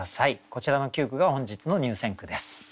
こちらの９句が本日の入選句です。